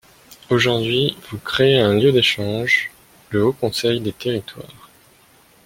Aujourd’hui, vous créez un lieu d’échanges, le Haut conseil des territoires.